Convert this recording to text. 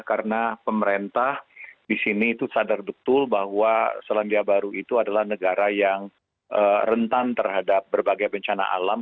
karena pemerintah di sini itu sadar betul bahwa selandia baru itu adalah negara yang rentan terhadap berbagai bencana alam